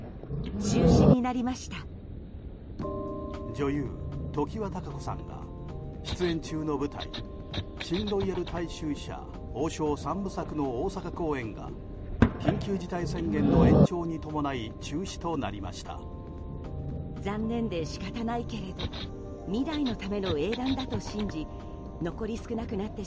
女優・常盤貴子さんが出演中の舞台新ロイヤル大衆舎「王将‐三部作‐」の大阪公演が緊急事態宣言の延長に伴い中止となりました。